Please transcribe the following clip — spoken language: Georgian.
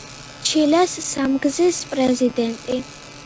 ჩილეს სამგზის პრეზიდენტი.